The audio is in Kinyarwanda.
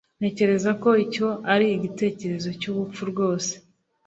ntekereza ko icyo ari igitekerezo cyubupfu rwose